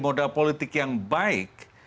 modal politik yang baik